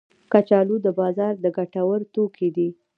کچالو د بازار د ګټه ور توکي دي